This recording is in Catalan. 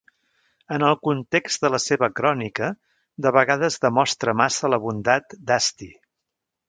En el context de la seva crònica, de vegades demostra massa la bondat d'Asti.